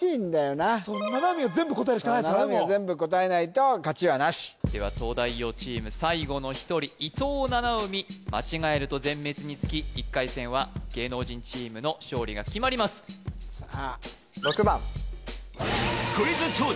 もうそう七海が全部答えないと勝ちはなしでは東大王チーム最後の一人伊藤七海間違えると全滅につき１回戦は芸能人チームの勝利が決まりますさあ